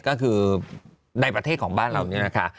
ก็คือในประเทศของบ้านเราเนี่ยนะคะ